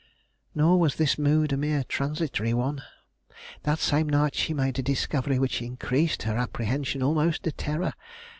Nor was this mood a mere transitory one. That same night she made a discovery which increased her apprehension almost to terror.